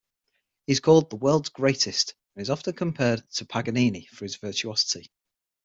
He's called 'the world's greatest' and often compared to Paganini for his virtuosity.